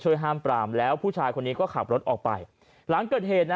ห้ามปรามแล้วผู้ชายคนนี้ก็ขับรถออกไปหลังเกิดเหตุนะ